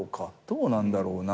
どうなんだろうな。